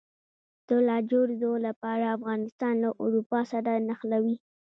د لاجوردو لاره افغانستان له اروپا سره نښلوي